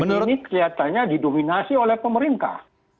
ini kelihatannya didominasi oleh pemerintah